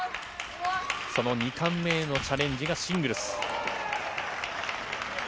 その２冠目へのチャレンジがシングルス。